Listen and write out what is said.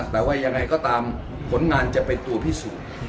แต่ว่ายังไงก็ตามผลงานจะเป็นตัวพิสูจน์